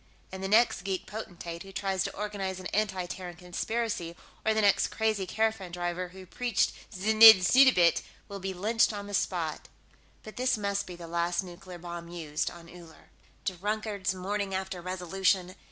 And the next geek potentate who tries to organize an anti Terran conspiracy, or the next crazy caravan driver who preached znidd suddabit, will be lynched on the spot. But this must be the last nuclear bomb used on Uller.... Drunkard's morning after resolution!